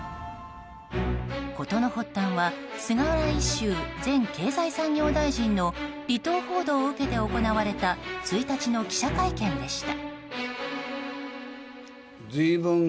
事の発端は菅原一秀前経済産業大臣の離党報道を受けて行われた１日の記者会見でした。